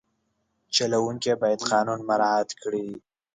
چلوونکی باید قانون مراعت کړي.